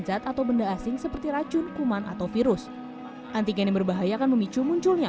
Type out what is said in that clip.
zat atau benda asing seperti racun kuman atau virus antigen yang berbahaya akan memicu munculnya